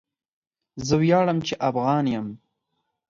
زه وياړم چي افغان یم